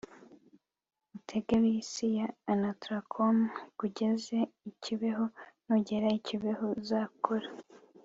utege bisi ya onatracom ikugeze i kibeho. nugera i kibeho uzakora